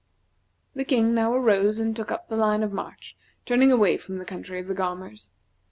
The King now arose and took up the line of march, turning away from the country of the Gaumers.